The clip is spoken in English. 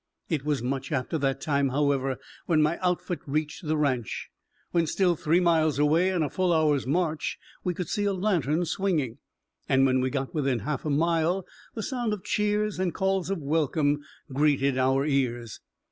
It was much after that time, however, when my outfit reached the ranch. When still three miles away and a full hour's march, we could see a lantern swinging, and when we got within a half mile the sound of cheers and calls of welcome greeted our ears.